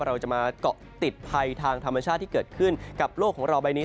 เราจะมาเกาะติดภัยทางธรรมชาติที่เกิดขึ้นกับโลกของเราใบนี้